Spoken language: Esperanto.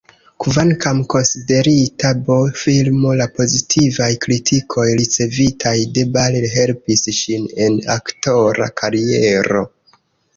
Kvankam konsiderita B-filmo, la pozitivaj kritikoj ricevitaj de Ball helpis ŝin en aktora kariero.